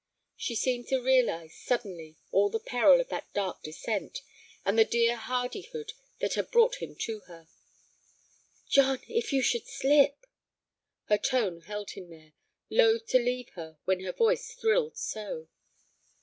She seemed to realize suddenly all the peril of that dark descent, and the dear hardihood that had brought him to her. "John, if you should slip!" Her tone held him there, loath to leave her when her voice thrilled so.